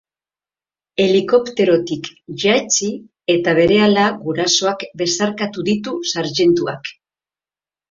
Helikopterotik jaitsi eta berehala gurasoak besarkatu ditu sarjentuak.